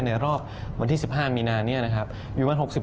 ในรอบวันที่๑๕มีนาเนี่ยนะครับวิวมัน๖๐